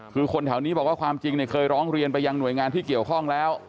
คือคนแถวนี้บอกว่าความจริงเนี่ยเคยร้องเรียนไปยังหน่วยงานที่เกี่ยวข้องแล้ว